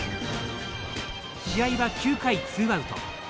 試合は９回ツーアウト。